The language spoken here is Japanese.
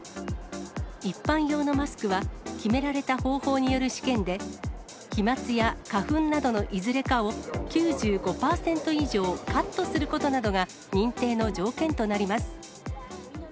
一般用のマスクは決められた方法による試験で、飛まつや花粉などのいずれかを９５％以上カットすることなどが認定の条件となります。